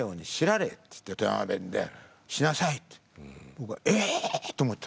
僕は「え！」と思った。